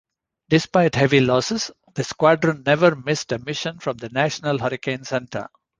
Despite heavy losses, the squadron never missed a mission from the National Hurricane Center.